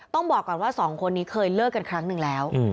ต้องบอกก่อนว่าสองคนนี้เคยเลิกกันครั้งหนึ่งแล้ว